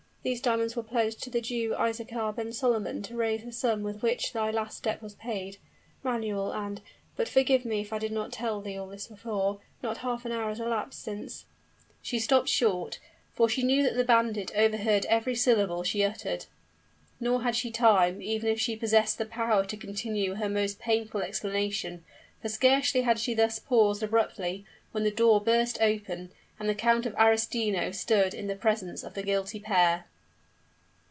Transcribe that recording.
"These diamonds were pledged to the Jew Isaachar ben Solomon, to raise the sum with which thy last debt was paid, Manuel; and but forgive me if I did not tell thee all this before not half an hour has elapsed since " She stopped short; for she knew that the bandit overheard every syllable she uttered. Nor had she time, even if she possessed the power, to continue her most painful explanation; for scarcely had she thus paused abruptly, when the door burst open, and the Count of Arestino stood in the presence of the guilty pair.